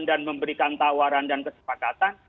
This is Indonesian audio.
dan memberikan tawaran dan kesepakatan